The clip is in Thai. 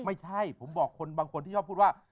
ไม่ใช่ผมบอกบางคนพูดว่า